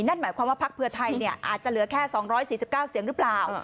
นั่นหมายความว่าพักเพื่อไทยอาจจะเหลือแค่๒๔๙เสียงหรือเปล่า